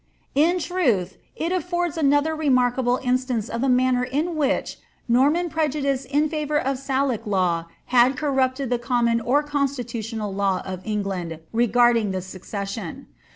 In truth, it afibrds another remarkable instance of the manner in which Norman prejudice in favour of Salic law had corrupted the com noa or constitutional law of England regarding the succession.